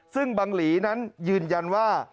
ซึ่งบังหลีนั้นยืนยันว่า